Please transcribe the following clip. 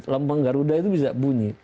lampang garuda itu bisa bunyi